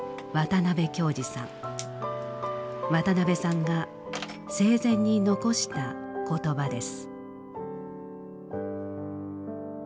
渡辺さんが生前に遺した言葉です。